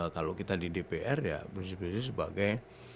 kalau kita di dpr ya prinsip prinsip sebagai